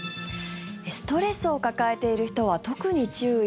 ストレスを抱えている人は特に注意？